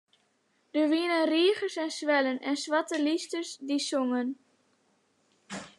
Der wiene reagers en swellen en swarte lysters dy't songen.